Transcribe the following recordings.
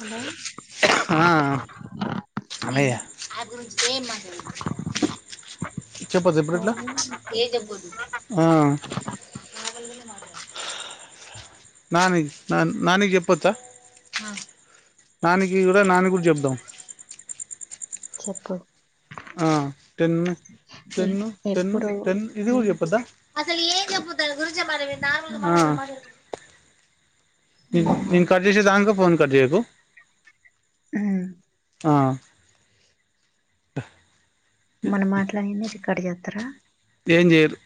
Hello ఆ అ చెప్పద్ ఎప్పుడుట్లా కాలింగ్ రిక్వెస్ట్ [unintelligible] నాని నా నానికి చెప్పచ్చా నాకి కూడా నాని కూడా చెప్దాం చెప్పు ఆ తెన్న తెన్న టన్న ఎప్పుడు టన్ ఇది గురుప్పదా [unintelligible] [unintelligible] హ్మ్ కట్ చేసే దానికే ఫొన్ కట్ చేయకు ఆ ఆ మనం మాట్లాడింది క్కడ జత్ర ఏం చేయరు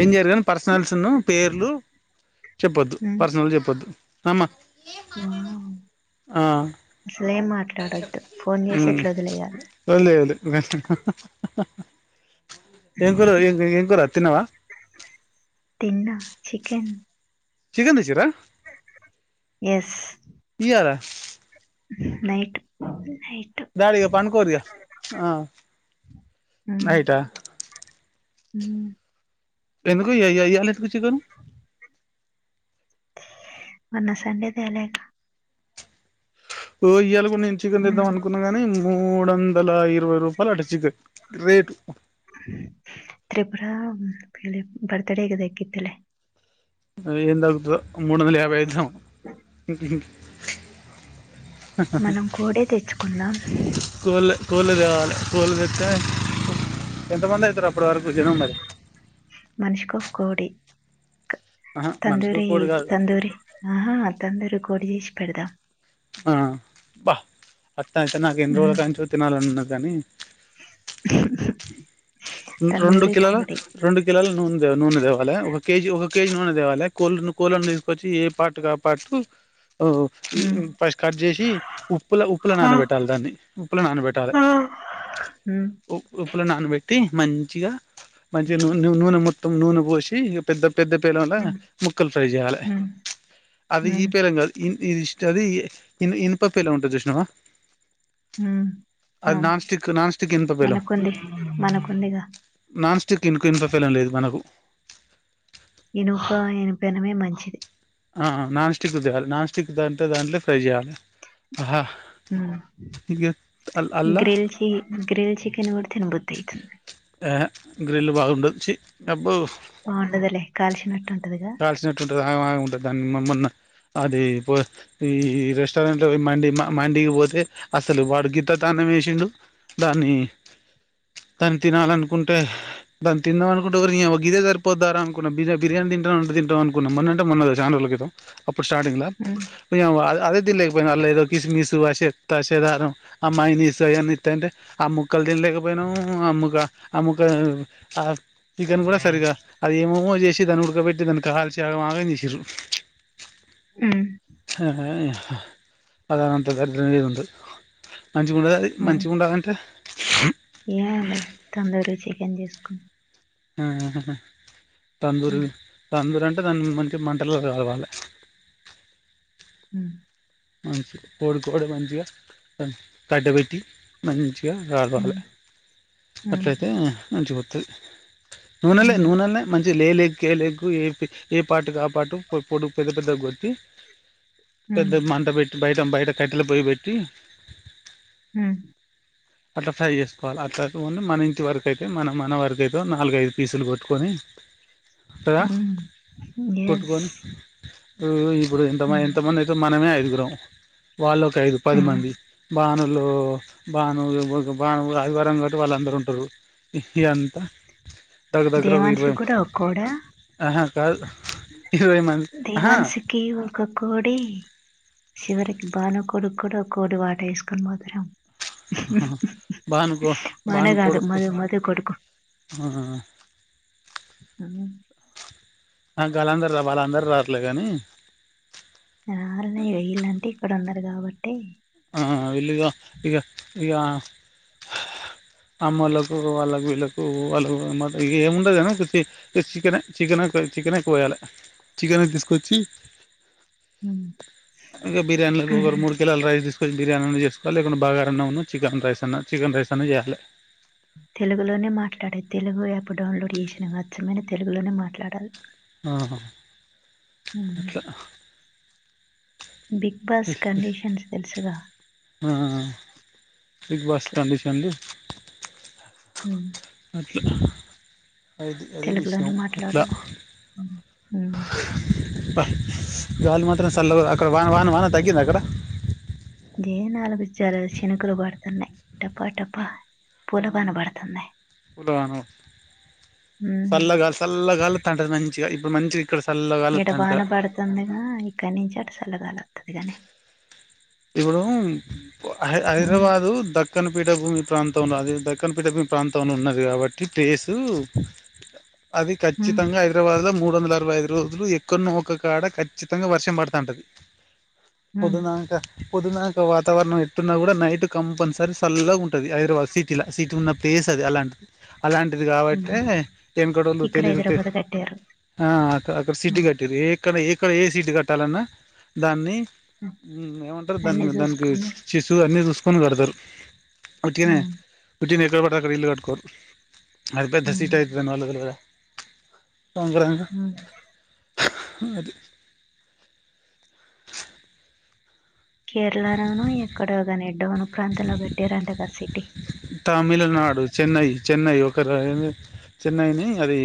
ఏం చేయరు కానీ పర్సనల్స్ను పేర్లు చెప్పొద్దు పర్సనల్ చెప్పొద్దు సమ్ స్లేమా ఉ ఒళ్ళే వెదు ఆ ఎంకరుం ఎంకరు అ త్తినవా తిన్నా చికెన్ చికెన్ చేసిన్ర ఎస్ ఇయ్యాల నైట్ నైట్ దాడివ పని కోరియా ఆ ఏయిటా అ ఎందుకు ఏలాకు చికేను మన్న సండేదియాలక ళ ఇప్పు నేను చికెన్ ఇద్దాం అనుకున్నాగానీ మూడు వందల ఇరవై రూపాయట చికెన్ రేటు త్రిపురా ప బర్త్ డేకి దకితేలే ఏందగుతు మూడు వంద యాభై ఐదు మనం కోడే తెచ్చుకుందాం కోల్లె కోళ్లు తేవాలి కోళ్లు తెస్తే ఎంతమంది అయిత మనిషికి ఒక కోడి ఆహా మనిషికి తందూరి ఒక్కోటి కాదు తందూరి ఆహా తందూరి వడి చేసి పెడదాం ఆ వా అట్లయితే నాకు ఎన్ని ఉమ్, రోజులకు అంశాలు తినాలని ఉంది గని రెండు తందూరి కిలోలు కోడి రెండు కిలోలు నూ నూనె తేవాలి ఒక కేజీ ఒక కేజీ నూనె తేవాలి కో కోళ్లను తీసుకొచ్చి ఏ పాటుకు ఆ పాటు ఉమ్, ఫస్ట్ కట్ చేసి ఉప్పుల ఉప్పుల నానబెట్టాలి దాన్ని ఉప్పుల నానబెట్టాలి ఉమ్, నానబెట్టి తీ మంచిగా మంచిగా నూనె మొత్తం నూనె పోసి ఇక పెద్ద పెద్ద పెనంల ఉమ్, ముక్కలు ఫ్రై చేయాలి ఉమ్, అది ఈ ఉమ్, పేలం కాదు ఇ ఇది ఇష్ట అది ఇది ఇనుప పెనం ఉంటది చూసినావా ఉమ్. ఆ, అది నాన్స్టిక్ నాన్స్టిక్ ఇనుప పేలం మనకుంది మనకుందిగా నాన్ స్టిక్ ఇంకో ఇనప పేలం లేదు మనకు ఇనుప ఇనుప పేనమే మంచిది ఆ నాన్ స్టిక్ తేయాలి నాన్ స్టిక్ దంటే దాంట్లో ఫ్రై చేయాలి ఆహా! మ్మ్ ఇగ అల్ అల్లా గ్రిల్ చి గ్రిల్ చికెన్ తినబుద్దాయితుంది గ్రెల్ బాగుండదు చి అబ్బో బాగుండదులే కాల్చినట్టు ఉంటదిగా కాల్చినట్టు ఉంటది ఆగమాగం ఉంటది దానికి మొన్న అది పో ఈ రెస్టారెంట్లో మండి మండికి పోతే అసలు వాడు గీతతన్నం వేసిండు దాన్ని దాన్ని తినాలనుకుంటే దాన్ని తిందాం అనుకుంటే ఒరినియవ్వ గీదే సరిపోద్దారా బిర్రుగా బిర్యానీ తిని తిందాం అనుకున్నాం మొన్న అంటే మొన్న కాదు చాలా రోజుల క్రితం అప్పుడు స్టార్టింగ్ల ఉమ్, నియవ్వ అదే తినలేక పోయినా అల్ల ఏదో కిస్మిస్ తూ చెత్త చెదారం ఆ మైనీసు అవన్నీ తయాంటే అమ్ క్కళ తినలేకపోయినాము అమ్మక అముక్కలను ఆ చికెన్ కూడా సరిగా అది ఏమమో చేసి ధనుడ్కబెట్టి తనకా కాల్చి ఆగమాగం చేసిర్రు ఉమ్, అహ అదందంతా దరిద్రం [unintelligible] మంచిగు ఉండ అది ఉమ్. మంచిగా ఉండాలంటే ఏం చేసుకో ఆ తందూరి ఉమ్, తందూర అంట అ దాని మంచి మంటలు కాలవలే హ మంచి కోడికోడ మంచిగా కట్టబెట్టి మంచి రాడవాలి ఉమ్, ఉమ్, అట్లయితే మంచిపోతు టే ఉమ్, నూనెన్లే మంచి లే ఏ ఏ పాటుకు ఆ పాటు పోడు పెద్ద పెద్ద గతి ఉమ్, పెద్దమన పెట్టి బయట బయట కట్టెల పోయి పెట్టి హ అట్లా ఫ్రై చేసుకోవాలి అట్ ఉడి మన ఇంటి వరకు అయితే మన మన వరక అయితే నాలుగ ఐదు పీసులు కొట్టుకొని కదా హుమ్ గ్యాస్ ఆ ఇప్పుడు ఎంత ఎంత మంది అయితే మనమే అఈ బ్రొం వాళ్ళ ఒక ఐదు పది హ్మ్ మంది బానే వాళ బానే బా ఆదివారం కాబట్టి వాళ్ళుందరూ ఉంటారు ఇదంతా దగ్ దగ్రా దేవాన్షి ఉరువై అే కాదు ఇరవై మంది ఆహా దేవాన్ష్ కిీ ఒక కోడి చివరికి భానుకోడుకు కూడా కోడి వాట వేసుకొని మదరం బాను కొ భాను బాను కాదు కొడుకు మధు మధు కొడుకు హ్మ్. గలా వాళ్ళ అందరూ రావట్లే కాని [inaudible] రాలనే వెయ్యలాంటిే ఇక్కడ ఉన్నారు కాబట్టి వెీళ్ళుగా ఇక ఇక అమ్మ వాళ్ళకు వాళ్ళకు వీళ్ళకు వాళ్ళకు ఏముండదునీ చికెనే చికెన్ చికెనే పోయాలి చికెనే తీసుకొచ్చి హ్మ్. ఆ ఇక బిరియాని కు హ్మ్. మూడు కిలోల రైస్ కొంచెం బిర్యానీ చేసుకోవాలి లేకుండా బావా గారు ఉన్నారణి చికెన్ చెస్తున చికెన్ రైస్ తోనే చేయాలి తెలుగులోనే మాట్లాడే తెలుగు యాప్ డౌన్లోడ్ చేసిన అచ్చమైన తెలుగులోనే మాట్లాడాలి ఆ హ్మ్. ఇట్లా బిగ్ బాస్ కండిషన్స్ తెలుసుగా ఇ బస్ కడిషలు ఉ [inaudible] అది అది విషయం అట్లా మ్మ్ అబ్బా గాలి మాత్రం సల్లగ తాక్ అక్కడ వాన వాన వాన తగ్గింద అక్కడ గే నాలుగు జర శినుకులు పడతన్నయి టప టప మ్మ్ దను ఉమ్, సల్ల గా సల్ల గాలోత్తంటది మన్ చిగ ఇప్పు మంచి ఈడ వాన పడతందిగా ఇక్కన్నించి అటు సల్ల గాలొత్తది గాని ఇప్పుడు హై ఉమ్, హైదరాబాదు దక్కన పీఠ భూమి ప్రాంతంలో అది దక్కన పఠ భూమి ప్రాంతంలో ఉన్నది కాబట్టి ప్లేసు అది ఉమ్, ఖచ్చితంగా హైదరాబాద్ లో మూడు వందల య ఇరవై ఐదు రోజులు ఎక్కనో ఒక కాడ ఖచ్చితంగా వర్షం పడుతాంటది ఉమ్, పొద్దునాంక పొద్దునాంక వాతావరణం ఎట్టున్నా కూడా నైట్ కంపల్సరీ సల్లగుంటది హైదరాబాద్ సిటీల సిటీలున్న ప్లేస్ అది అలాంటిది అలాంటిది కాబట్టే ఉమ్. తెనుకడోళ్లు ఇక్కడ తెలీదు తె హైదరాబాద్ కట్టారు అ అక్కడ సిటీ ఉమ్, కట్టిర్రు ఏ ఇక్కడ ఎక్కడ ఏ సీటు కట్టాలన్నా దాన్ని ఉమ్. మ్మ్ ఎమ దన్ అన్ని దానికి చూసుకుని శిశు అన్నీ చూసుకొని కడతారు ఉట్టిగనే ఉమ్, ఉట్టినే [unintelligible] ఇల్లు కట్టుకోరు అది పెద్ద సిటీ ఉమ్, అయితదని వాళ్ళ తెల్వద సంద్రంగ ఉమ్. ఊ అది కేరళలోనో ఎక్కడో కానిడ్ డౌను ప్రాంతంలో పెట్టారంట కసి టి తమిళనాడు చెన్నై చెన్నై ఒక రా చెన్నైని అది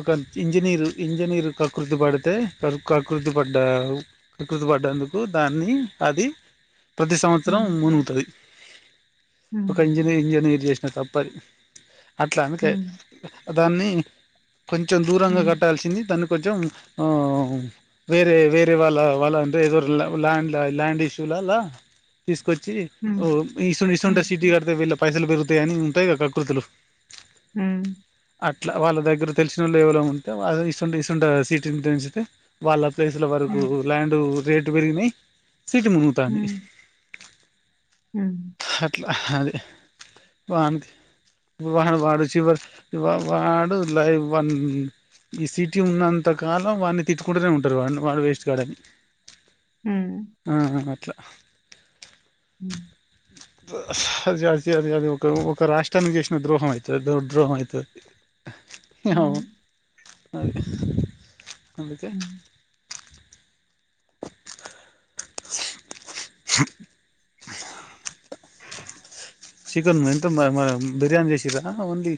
ఒక ఇంజనీరు ఇంజనీరు కకృతి పడితే క కకృతి పడ్డా కకృతి పడ్డందుకు దాన్ని అది ప్రతి సంవత్సరం ఉమ్, మునుగుతది ఉమ్, ఒక ఇంజినీర్ ఇంజనీర్ చేసిన తప్పది అట్ల అందికె ఉమ్, దాన్ని కొంచెం దూరంగ ఉమ్, కట్టాల్సింది తను కొంచెం ఆ వేరే వేరే వాల్ల వాళ్ళ అంటె ఏదొ ల్యాండ్ ల్యాండ్ ఇష్యూ ల ల తీస్ ఒచ్చి ఉమ్, ఓ ఇస్సునిస్ సెవెన్ ఉమ్, టెస్ తిద్ది కడితే వీళ్ళక్ పైసల్ పెరుగుతయని ఉంటయ్ గద కకృతులు. ఉమ్ అట్ల వాళ్ళ దగ్గర తెలిసినొళ్ళు ఎవరొ ఉంటే, వాళ్ ఇసుంట ఇసుంట సిటీని పెంచితే వాళ్ళ ప్లేసుల వరకూ ఉమ్, ల్యాండూ రేటు పెరిగినయ్. సీటి మునుగుతాంది. ఉమ్, ఉమ్ ట్ల అది వాన్కి పుడు వాడ్ వాడు చివర్ వాడు లైవ్ వాన్ ఈ సిటీ ఉన్నంతకాలం వాన్ని తిట్టుకుంటనే ఉంటరు, వాన్ని వాడు వేస్ట్ గాడని. ఉమ్, ఆ ట్ల ఉమ్ ట్ల అది అది అది అది ఒకరు ఒక రాష్ట్రానికి చేసిన ద్రోహం అయితది, దొ ద్రోహం అయితది అవును అది. అందుకే ఉమ్. [inaudible] చికన్ ఎంత మ మా బిర్యానీ చేసిర్రా? ఓన్లీ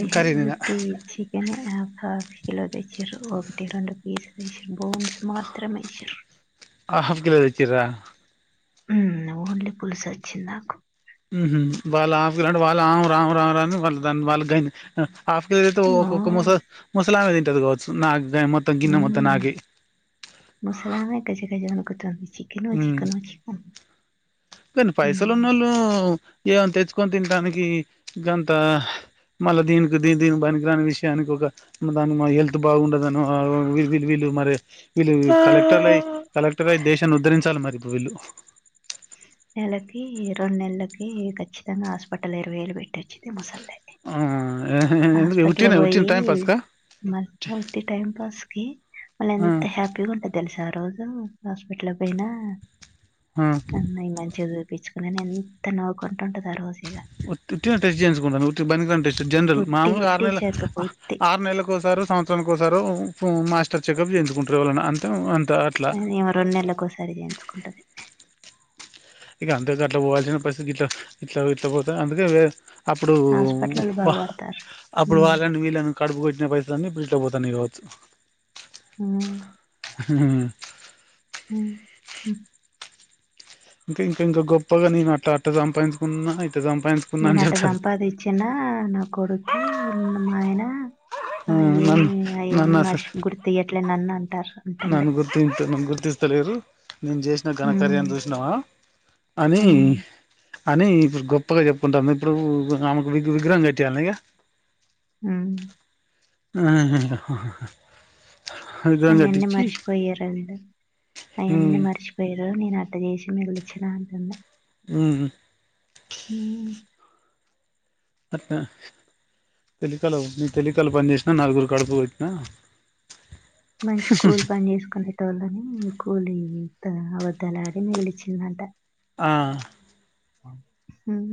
ఎహే కర్రీనేనా ఉట్టి చికెనే ఆఫాఫ్ కిలో తెచ్చిర్రు ఒక్టి, రెండు పీస్ తీసి బోన్స్ మాత్రమె ఏసిర్రు. ఆఫాఫ్ కిల దెచ్చిర్రా? ఉమ్ ఓన్లీ పులుసొచ్చింద్నాకు. ఉమ్ హు వాళ్ళఫ్గ్ర వాళ్ళే ఆవురావురావురని వాళ్ళు దాన్ని వాళ్ళ గ్గన్ ఆఫ్ కేజీ తెత్తె ఓ ఒక్కొక్క ముస ముసలామె తిన్ టది గావచ్చు నాన్ ఉమ్ ముసలామె ఇట్ట చికెన్ చేయమని గొన్ టన్స్ చికెను చికను చికన్ కనీ పైసలున్నోళ్ళు ఇగ కన్ తెచ్చుకొని తింటానికీ గంత మళ్ళ దీనికి దీన్ దీనికి బనికిరాని విషయానికొక దాని మా హెల్త్ బాగుండదని. ఆ ఆ ఊ వీళ్ళు వీళ్ళు వీళ్ళు మరే వీళ్ళు కలెక్టర్లై కలెక్టరై దేశాన్నుధ్ధరించాలి మరి వెళ్ళు నెలకి, రొండ్నెల్లకి ఖచ్చితంగా హాస్పిటల్ల ఇరవై వేలు పెట్టొచ్చింది ముసల్ ఆ ఎందుకు హాస్పట్లకు ఉట్టిగనే ఉట్టిగనే పోయి టైం పాస్కా మళ్ళ ఉత్తి టైం పాస్ కి, మళ్ళ ఆ ఎంత హ్యాపీగుంటది తెలుసా ఆ రోజు? లు హాస్పట్లక్పోయినా. ఆ అన్నై మంచిగ చూత్ పిచ్చుకొని ఎంత నవ్వుకుంటుంటదొ ఆ రోజిగ. ఉత్తుత్తిగనే టెస్ట్ జేయికుంటదంట, ఉత్తి బనికిరాని టెస్ట్ జనరల్ గుట్టి మామూలుగా ఆరు గుట్టి నెల చెకప్ ఆ ఉత్తి ఆరు నెల్ల కోసారో సంవత్సరాని కోసారో ఊ మాస్టర్ చెకప్ జేయించుకుంటరు ఎవళన్నా అంతే అంత్ ఏంది ఈమె రొండ్నెలకోసారి జేయించుకుంటది ఇగ అంతగట్లా పోవాల్సిన పరిస్థితి గిట్లా ఇట్లా ఇట్లా పోతే అందుకేే వే అప్పుడూ హాస్పిటల్ వాహ్ బాగుపడతారు అప్పుడు ఉమ్, వాళ్ళని వీళ్ళని కడుపు గొట్టిన పైసలన్నీ బీట్లో పో తనివి కావొచ్చు ఊమ్ హుహుహు ఊమ్ హు ఇంకా ఇంకా ఇంకా గొప్పగా నేను అట్ట అట్ట సంపాయించుకున్నా నేను అట్ట సంపాదిచ్చినా నా కొడుకూ మా ఆయనా అ ఏ నన్ను అయన్నీ మరిషి గుర్తుయ్యట్లే నన్ను అంటారు అంటుంది నను గుర్తించను గుర్తిస్తలేరు నేను జేసిన ఘనకార్యం ఉమ్, జూస్నవా అనీ ఉమ్, అని ఇప్పుడు గొప్పగా జెప్పుకుంటాము ఇప్పుడూ ఆమెకు విగ్ విగ్రహం కట్టీయాల్నిగ ఊమ్ [unintelligible] విగ్రహం కట్టి మర్చిపోయారండి అయన్నీ ఉమ్ మర్చిపోయారు నేను అట్ అట్ట జేసి మెళ్రిచ్చినా అంటుండె ఊహు ఉమ్, అట్న తెలికలు నీ తెలికలు పని జేస్నా నలుగురు కడుపు కొట్నా మంచి కూల్ పని చేసుకునేటోల్లని కూలీ అబద్దాలడి మిగిలిచిందంట ఆ మ్మ్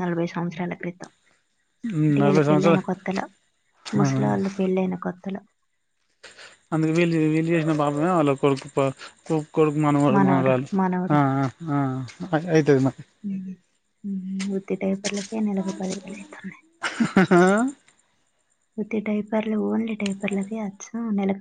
నలభై సంవత్సరాల క్రితం వీళ్ళ నలభై పెళ్ళైన సంవత్సరాలు కొత్తలో ఆ ముసలోళ్ళు పెళ్ళైన కొత్తలో అందుకు వీళ్లు వీళ్ళు చేసిన పాపమే వాళ్ల కొడుకు ప కోడ్ మానవడు మానవడు ఆ అయితది ఉత్తి డైపర్ల కె పదీవెలవుతున్న మరి ఉత్తి డైపర్లు ఓన్లీ డైపర్ లకి అచ్చం నెలక